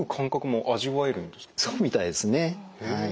そうみたいですねはい。